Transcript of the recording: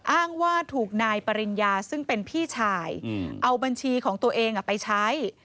อ้างว่าถูกนายปริญญาซึ่งเป็นพี่ชายเอาบัญชีของตัวเองไปใช้